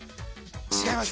違います。